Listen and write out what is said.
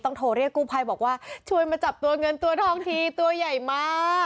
โทรเรียกกู้ภัยบอกว่าช่วยมาจับตัวเงินตัวทองทีตัวใหญ่มาก